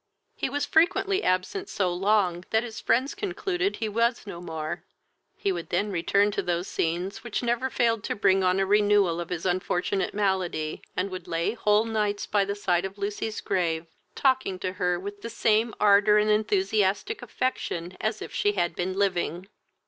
He was frequently absent so long, that his friends concluded he was no more. He would then return to those scenes which never failed to bring on a renewal of his unfortunate malady, and would lay whole nights by the side of Lucy's grave, talking to her with the fame ardour and enthusiastic affection as if she had been living.